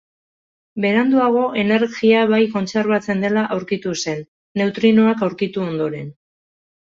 Beranduago energia bai kontserbatzen dela aurkitu zen, neutrinoak aurkitu ondoren.